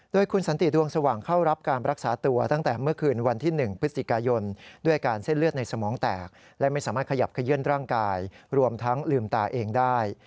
โดยคุณสันติดวงสว่างเข้ารับการรักษาตัวตั้งแต่เมื่อคืนวันที่๑พฤศจิกายนด้วยการเส้นเลือดในสมองแตกและไม่สามารถขยับขยื่นร่างกายรวมทั้งลืมตาเองได้